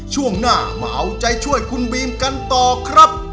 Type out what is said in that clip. ช่วงหน้ามาเอาใจช่วยคุณบีมกันต่อครับ